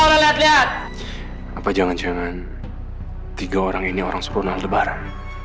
orang lihat lihat apa jangan jangan tiga orang ini orang sempurna aldebaran